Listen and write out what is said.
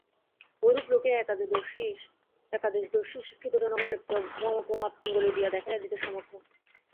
ঐরূপ লোকেই একদেশদর্শী শিক্ষিত জনগণের ভ্রমপ্রমাদ অঙ্গুলি দিয়া দেখাইয়া দিতে সমর্থ।